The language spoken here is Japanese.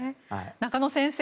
中野先生